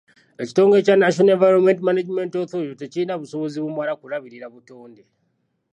Ekitongole kya National Environmental Management Authority tekirina busobozi bumala kulabirira butonde.